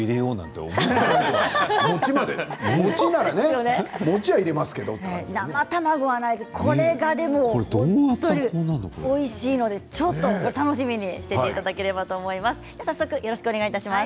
これがまたおいしいのでちょっと楽しみにしていただければと思います。